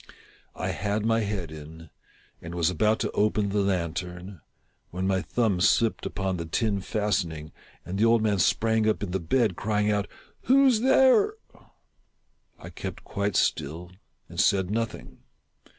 I had my head in, and was about to open the lantern, when my thumb slipped upon the tin fastening, and the old man sprang up in the bed, crying out —" Who 's there ?" I kept quite still and said nothing.